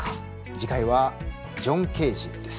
次回はジョン・ケージです。